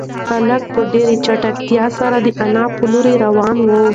هلک په ډېره چټکتیا سره د انا په لور روان و.